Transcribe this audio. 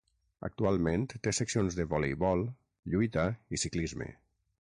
Actualment té seccions de voleibol, lluita i ciclisme.